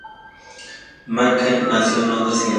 McKee nació en Londres, Inglaterra.